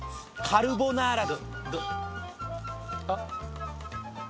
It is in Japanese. カルボナーラ